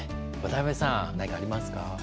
渡辺さん何かありますか？